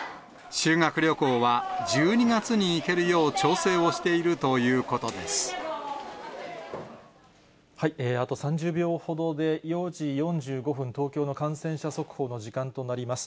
修学旅行は１２月に行けるよあと３０秒ほどで、４時４５分、東京の感染者速報の時間となります。